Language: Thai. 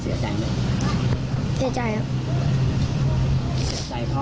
เจ้าคนจะคิดว่าท่านแม่น้องไม่เห็นชีวิตนั้นเอง